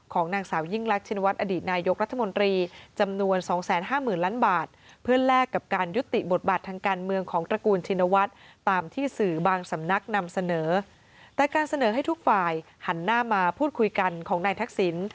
ของนางสาวยิ่งลักษณ์ชินวัฏอดีตนายยกรัฐมนตรี